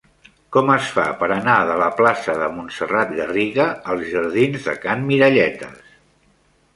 Com es fa per anar de la plaça de Montserrat Garriga als jardins de Can Miralletes?